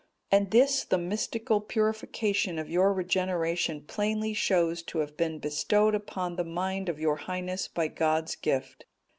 And this the mystical purification of your regeneration plainly shows to have been bestowed upon the mind of your Highness by God's gift.